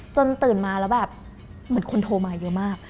ตื่นมาแล้วแบบเหมือนคนโทรมาเยอะมาก